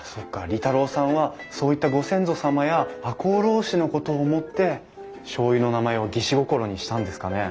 利太郎さんはそういったご先祖様や赤穂浪士のことを思ってしょうゆの名前を義士心にしたんですかね。